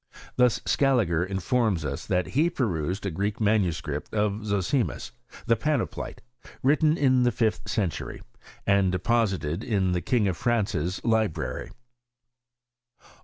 Thus Scaliger informs us that he perused a Greek manuscript of Zosimus, the! Pan apolite, written in the fifth century, and deposited in the King of France's library.